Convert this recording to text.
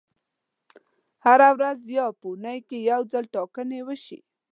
هره ورځ یا په اونۍ کې یو ځل ټاکنې وشي.